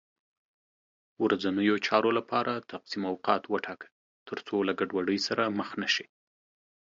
ورځنیو چارو لپاره تقسیم اوقات وټاکه، تر څو له ګډوډۍ سره مخ نه شې